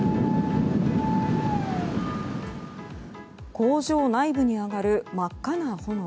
工場内部に上がる真っ赤な炎。